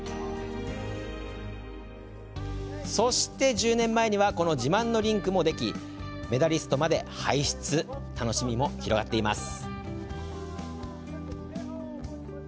１０年前にはこの自慢のリンクができメダリストまで輩出楽しみも広がっています。